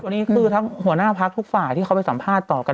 วันนี้คือทั้งหัวหน้าพักทุกฝ่ายที่เขาไปสัมภาษณ์ต่อกัน